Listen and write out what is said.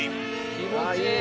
気持ちいい。